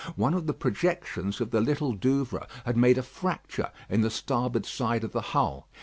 One of the projections of the Little Douvre had made a fracture in the starboard side of the hull.